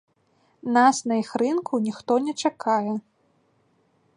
Нас на іх рынку ніхто не чакае!